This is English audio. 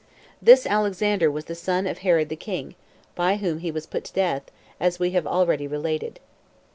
This Alexander was the son of Herod the king, by whom he was put to death, as we have already related.